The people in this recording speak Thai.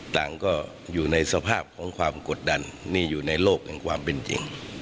ต่างก็อยู่ในสภาพของความกดดันนี่อยู่ในโลกแห่งความเป็นจริง